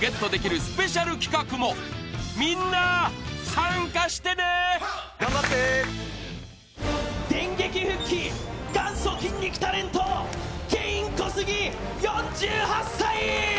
三菱電機電撃復帰、元祖・筋肉タレントケイン・コスギ４８歳。